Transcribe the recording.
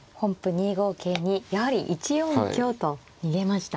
２五桂にやはり１四香と逃げました。